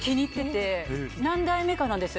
何代目かなんですよ